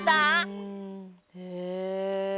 へえ。